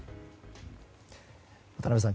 渡辺さん